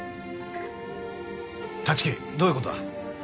立木どういう事だ？